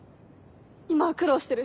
今は苦労してる？